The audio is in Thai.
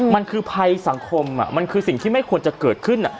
มันคือภัยสังคมมันคือสิ่งที่ไม่ควรจะเกิดขึ้น